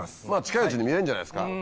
近いうちに見れんじゃないですか。